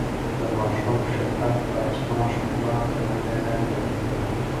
د ماښام شفق د اسمان ښکلا ته نوی رنګ ورکوي.